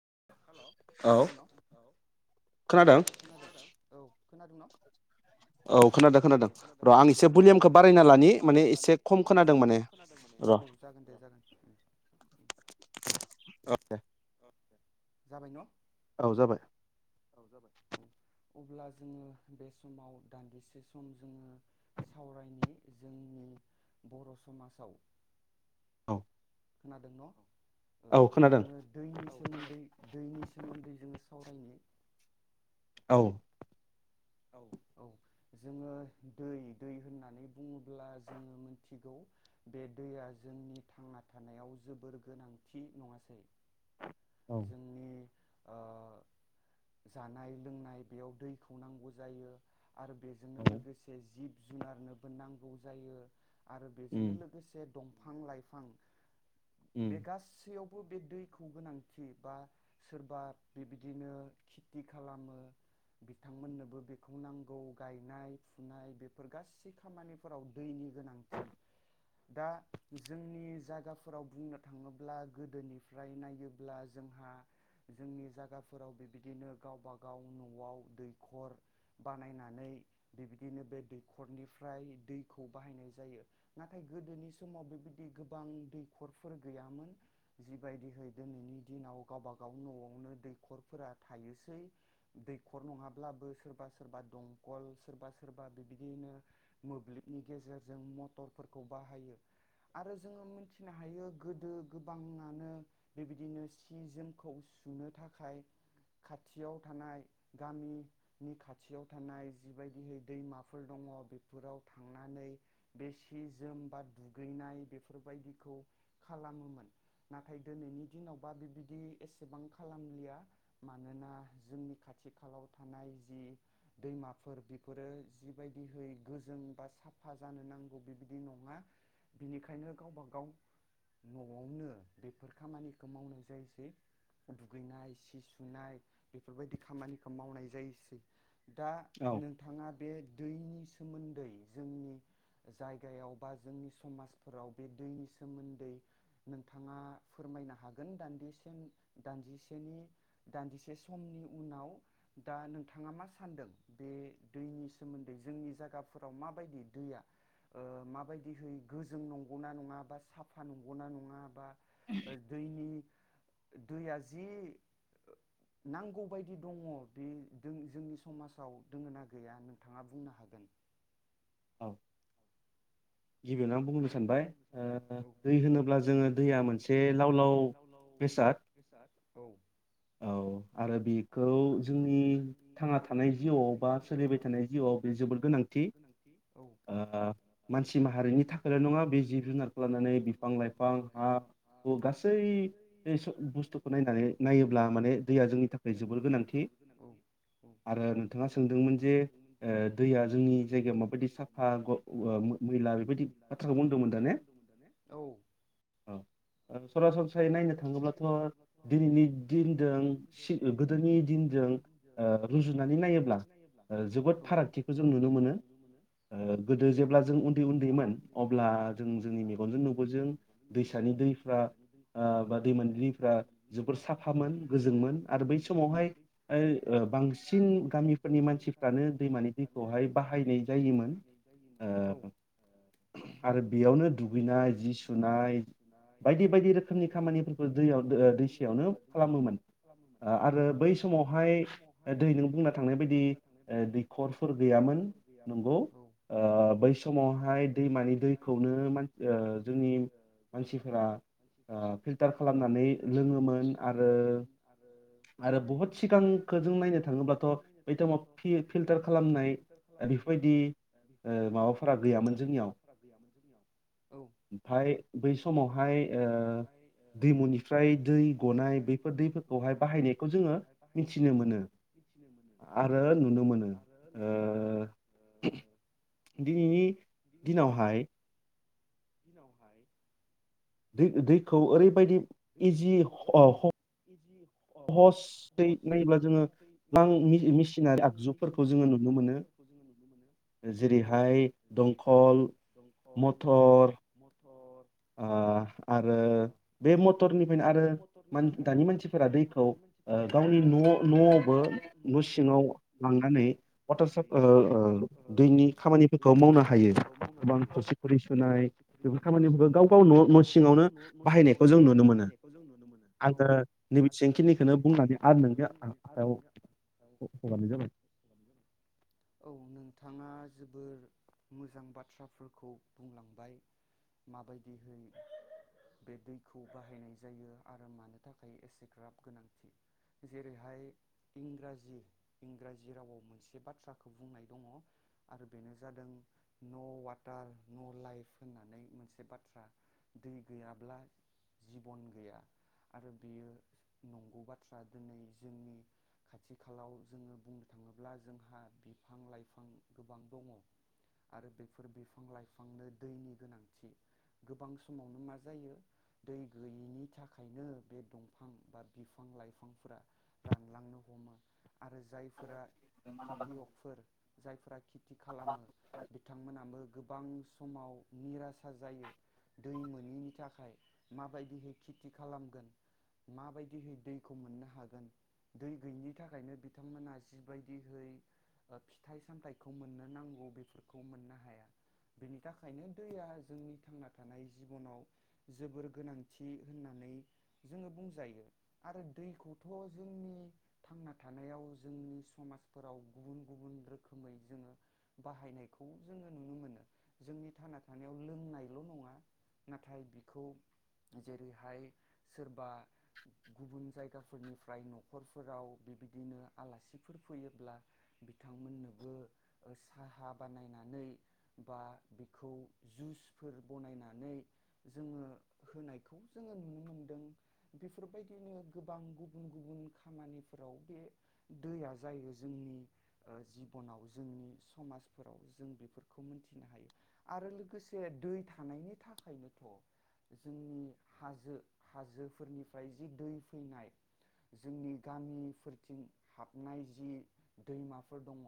[unintelligible] [unintelligible] औ खोनादो खोनादो औ आं एसे भलियमखौ बारायना लानि माने एसे खम खोनादों माने औ जागोन दे जागोन। दे जाबाय न'? औ जाबाय। औ जाबाय औ अब्ला जोङो बे समाव दान्दिसे सम जोङो सावरायनि जोंनि बर' समाजाव औ खोनादों न'? ओ जोङो औ दैनि सोमोन्दै दैनि सोमोन्दै जोङो सावरायनो औ। औ औ जोङो दै दै होननानै बुङोब्ला जोङो मिथिगौ बे दैया जोंनि थांना थानायाव जोबोर गोनांथि नङासै? जोंनि ओ जानाय लोंनाय बेयाव दैखौ नांगौ जायो आरो बेजोंनो लोगोसे जिब जुनारनोबो नांगौ जायो। आरो बेजोंनो लोगोसे दंफां लाइफां बे गासैयाव बो बे दैखौ गोनांथि बा सोरबा बेबायदिनो खेथि खालामो बिथांमोननोबो बेखौ नांगौ गायनाय फुनाय बेफोर गासै खामानिफोराव दैनि गोनांथि दा जोंनि जागाफोराव बुंनो थाङोब्ला गोदोनिफ्राय नायोब्ला जोंहा जोंनि जागाफोराव बेबायदिनो गावबा गाव न'आव दैखर बानायनानै बिबायदिनो बे दैखरनिफ्राय दैखौ बाहायनाय जायो नाथाय गोदोनि समाव बेबायदि गोबां दैखरफोर गैयामोन जिबायदिहै दिनैनि दिनाव गावबा गाव न'आवनो दैखरफोरा थायोसै दैखर नङाब्लाबो सोर बा सोरबा दंखल सोरबा सोरबा बेबायदियैनो मोब्लिबनि गेजेरजों मटरफोरखौ बाहायो आरो जोङो मिथिनो हायो गोदो गोबाङानो बेबायदिनो सि जोमखौ सुनो थाखाय खाथियाव थानाय गामि नि खाथियाव थानाय जिबायदिहै दैमाफोर दङ' बेफोराव थांनानै बे सि जोम बा दुगैनाय बेफोरबायदिखौ खालामोमोन नाथाय दिनैनि दिनावबा बिबायदि एसेबां खालामलिया मानोना जोंनि खाथि खालाव थानाय जि दैमाफोर बेफोरो जिबायदिहै गोजों बा साफा जानो नांगौ बेबायदि नङा बिनिखायनो गावबा गाव न'आवनो बेफोर खामानिखौ मावनाय जायोसै दुगैनाय सि सुनाय बेफोरबायदि खामानिखौ मावनाय जायोसै दा नोंथाङा बे दैनि सोमोन्दै जोंनि जायगायाव बा जोंनि समाजफोराव बे दैनि सोमोन्दै नोंथाङा फोरमायनो हागोन दानदिसे दानदिसेनि दानदिसे समनि उनाव दा नों थाङा मा सानदों बे दैनि सोमोन्दै जोंनि जायगाफोराव माबायदि दैया ओ माबायदिहै गोजों नंगौना नङा बा साफा नंगौना नङा बा ओ दैनि दैया जि नांगौ बायदि दङ बे जोंनि समाजाव दोङ ना गैया नोंथाङा बुंनो हागोन। औ। गिबियावनो आं बुंनो सानबाय ओ दै होनोब्ला जोङो दैया मोनसे लाव लाव बेसाद औ आरो बेखौ जोंनि थांना थानाय जिउआव बा सोलिबाय थानाय जिउआव बे जोबोद गोनांथि ओ मानसि हारिनि थाखायल नङा बे जिब जुनारखौ लानानै बिफां लाइफां हा हु गासै बुस्थुखौ नायनानै नायोब्ला माने दैया जोंनि थाखाय जोबोर गोनांथि आरो नोंथाङा सोंदोंमोन जे ओ दैया जोंनि जायगायाव माबायदि साफा ग मैला दि बाथ्राखौ बुंदों मोनदा ने ओ औ सरा सन फ्राय नायनो थाङोब्लाथ दिनैनि दिनजों गोदोनि दिनजों ओ रुजुनानै नायोब्ला ओ जोबोद फारागथिखौ जों नुनो मोनो गोदो जेब्ला जों उ उन्दै उन्दैमोन अब्ला जों जोंनि मेगनजों नुबो जों दैसानि दैफ्रा‌ बा दैमानि दैफ्रा जोबोर साफामोन गोजोंमोन आरो बै समावहाय बांसिन गामिफोरनि मानसिफ्रानो दैमानि दैखौहाय बाहायनाय जायोमोन। ओ आरो बेयावनो दुगैनाय जि सुनाय बायदि-बायदि रो बायदि-बायदि रोखोमनि खामानिफोरखौ दै दैसायावनो खालामोमोन औ आरो बै समावहाय दैजों बुंना थांनाय बायदि दैखरफोर गैयामोन औ नंगौ। समावहाय दैमानि दैखौनो मानसि ओ जोंनि मानसिफोरा ओ फिल्टार खालामनानै लोङोमोन आरो आरो बहुद सिगांखो जों नायनो थाङोब्लाथ बै तमाव फि फिल्टार खालामनाय ओ बेफोरबायदि ओ माबा फ फोरा गौयामान जोंनि ओमफाय बै समाव हाय ओ दैमुनिफ्राय दै गनाय बेफोर दैफोरखौहाय बाहायनायखौ जोङो मिथिनो मोनो आरो नुनो मोनो ओ दिनैनि दिनावहाय [unintelligible] दै दैखौ ओरैबायदि। दै दैखौ ओरैबायदि इजि नायोब्ला जोङो गोबां मेसिनारि आगजुफोरखौ जोङो नुनो मोनो औ जेरैहाय दंखल औ। [inaudible] ओ आरो बे मटरनिफायनो आरो मान दानि मानसिफोरा दैखौ ओ गावनि न' न'आवबो न'सिङाव लांनानै वाटार साप ओ ओ दैनि खामानिफोरखौ मावनो हायो गोबां थोरसि खुरि सुनाय बेफोर खामानिफोरखो खौ न' न' सिङावनो बाहायनायखौ जों बाहायनायखौ जों नुनो मोनो औ आं नैबेोंखिनिखौनो बुंनानै आरो नों औ नोंथाङा। जोबोर मोजां बाथ्राफोरखौ बुंलांबाय माबायदिहै बे दै। खौ बाहायनाय जायो आरो मानो थाखाय एसेग्राब गोनांथि जेरैहाय इंराजि इंराजि रावाव मोनसे बाथ्राखौ बुंनाय दङ आरो बेनो जादों न वाटार नलाइफ होननानै मोनसे बाथ्रा दै गैयाब्ला। जिबन गैया आरो बेयो नंगौ बाथ्रा दिनै जोंनि खाथि खालाव जोङो बुंनो थाङोब्ला जोंहा बिफां लाइफां गोबां दङ आरो बेफोर बिफां लाइफांनो दैनि गोनांथि गोबां समावनो मा जायो। दै गैयैनि थाखायनो बे दंफां बा बिफां लाइफांफोरा रानलांनो हमो। आरो जायफोरा खेथि हकफोर जायफोरा खेथि खालामो बिथांमोनाबो। गोबां समाव निरासा जायो दै मोनिनि थाखाय माबायदिहै खेथि खालामगोन माबायदिहै दैखौ मोननो हागोन दै गैयिनि थाखायनो बिथांमोना जिबायदिहै फिथाइ-सामथाइखौ मोननो नांगौ बेफोरखौ मोननो हाया बेनि थाखायनो दैया जोंनि थांना थानाय जिबनाव जोबोर गोनांथि होननानै जोङो बुंजायो आरो दैखौथ' जोंनि थांना थानायाव जोंनि समाजफोराव गुबुन गुबुन रोखोमै जोङो बाहायनायखौ जोङो नुनो मोनो जोंनि थांना थानायाव लोंनायल' नङा नाथाय बिखौ जेरैहाय सोरबा गुबुन जायगाफोरनिफ्राय न'खरफोराव बेबायदिनो आलासिफोर फैयोब्ला बिथांमोननोबो साहा बानायनानै बा बेखौ जुसफोर बनायनानै जोङो होनायखौ जोङो नुनो मोनदों। बेफोरबायदिनो गोबां गुबुन गुबुन खामानिफोराव बे दैया जायो जोंनि जिबनाव जोंनि समाजफोराव जों बेफोरखौ मोनथिनो हायो आरो लोगोसे दै थानायनि थाखायनोथ' जोंनि हाजो हाजोफोरनिफ्राय जि दै फैनाय जोंनि गामिफोरथिं हाबनाय जि दैमाफोर दङ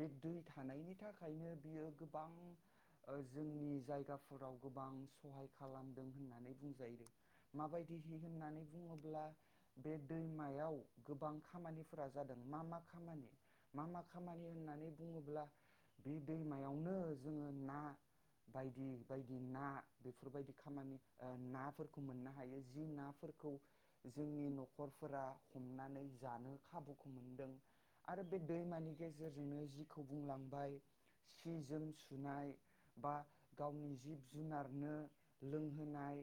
बे दै थानायनि थाखायनो बियो गोबां जोंनि जायगाफोराव गोबां सहाय खालाम दों होननानै बुंजायो। माबायदिहाय होननानै बुङोब्ला बे दैमायाव गोबां खामानिफोरा जादों मा मा खामानि मा मा खामानि होननानै बुङोब्ला बे दैमायावनो जोङो ना बायदि बायदि ना बेफोरबायदि खामानि ओ नाफोरखौ मोननो हायो जि नाफोरखौ जोंनि न'खरफोरा हमनानै जानो खाबुखौ मोनदों आरो बे दैमानि गेजेरजोंनो जिखौ बुंलांबाय सि जोम सुनाय बा गावनि जिब जुनारनो लोंहोनाय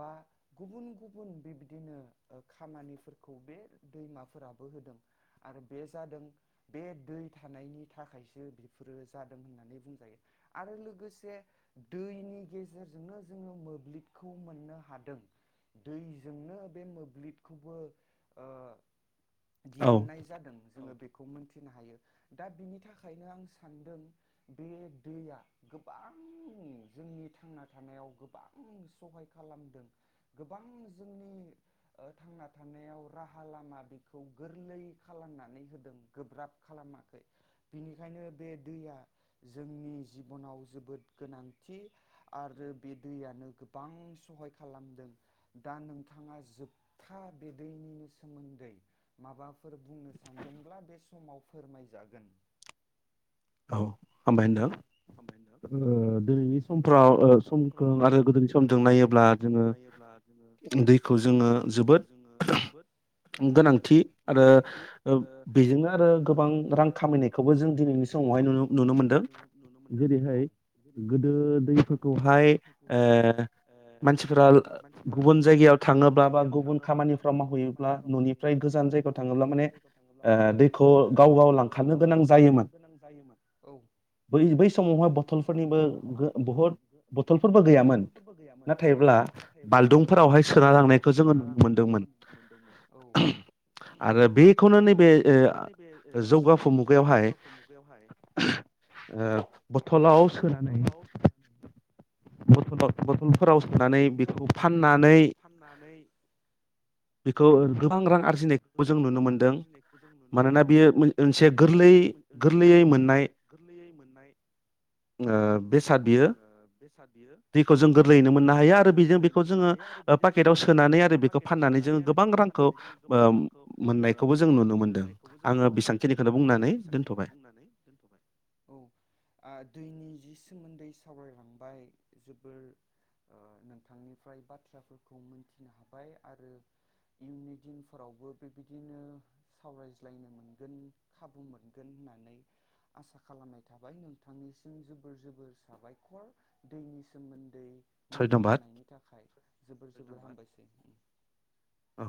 बा गुबुन गुबुन बिबदिनो ओ खामानिफोरखौ बे दैमा फोराबो होदों आरो बे जादों बे दै थानायनि थाखायसो बेफोरो जादों होननानै बुंजायो आरो लोगोसे दैनि गेजेरजोंनो जोङो मोब्लिबखौ मोननो हादों दैजोंनो बे मोब्लिबखौबो ओ दिहुननाय जादों। जोङो बे खौ मोनथिनो हायो दा बिनि थाखायनो आं सानदों बे दैया गोबां जोंनि थांना थानायाव गोबां सहाय खालामदों गोबां जोंनि थांना ओ थानायाव राहा लामा बेखौ गोरलै खालामनानै होदों गोब्राब खालामाखै बिनिखायनो बे दैया जोंनि जिबनाव जोबोद गोनांथि आरो बे दैयनो गोबां सहाय खालामदों दा नोंथाङा जोबथा बे दैनिनो सोमोन्दै माबाफोर बुंनो सानदोंब्ला बे समाव फोरमायजागोन औ हामबाय होनदों दिनैनि समफ्राव समखौ आरो गोदोनि समजों नायोब्ला जोङो दैखौ जोङो जोबोद गोनांथि आरो ओ बेजोंनो आरो गोबां रां खामायनायखौबो जों दिनैनि [unintelligible] [inaudible] बै बै समावहाय बथलफोरनिबो बहुद बथलफोरबो गैयामोन नाथायब्ला मालदुंफोरावहाय सोनालांनायखौ जोङो नुनो मोनदोंमोन ओहोम आरो बेखौनो नैबे ओ जौगाफु मुगायावहाय [unintelligible] बथलाव सोनानै बथलफोराव सोनानै बिखौ फाननानै बिखौ गोबां रां आरजिनायखौबो जों नुनो मोनदों मानोना बेयो मोनसे गोरलै गोरलै [inaudible] गोरलैनो मोननो हायो आरो बेजों बेखौ जोङो ओ पाकेटाव सोनानै आरो बेखौ फाननानै जोङो गोबां रांखौ ओ मोननायखौबो जों नुनो मोनदों आङो बेसांखिनिखौनो बुंनानै दोनथ'बाय [inaudible] [inaudible] मोनथिहोनायनि थाखाय जोबोर जोबोर हामबायसै औ